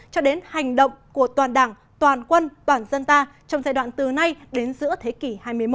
cho đến hành động của toàn đảng toàn quân toàn dân ta trong giai đoạn từ nay đến giữa thế kỷ hai mươi một